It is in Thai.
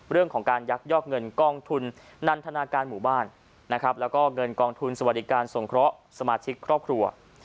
เรื่องของการยักยอกเงินกองทุนนันทนาการหมู่บ้านนะครับแล้วก็เงินกองทุนสวัสดิการสงเคราะห์สมาชิกครอบครัว